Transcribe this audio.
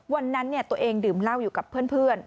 วันนั้นตัวเองดื่มเหล้าอยู่กับเพื่อน